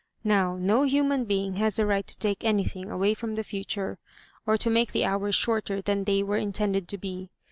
Now, no human being has a right to take anything away from the future, or to make the hours shorter than they were intended to be.